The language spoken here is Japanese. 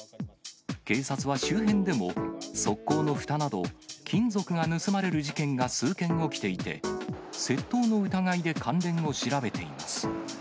警察は、周辺でも側溝のふたなど、金属が盗まれる事件が数件起きていて、窃盗の疑いで関連を調べています。